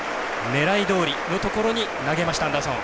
狙いどおりのところに投げました、アンダーソン。